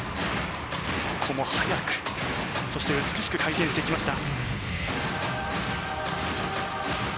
ここも速く美しく回転していきました。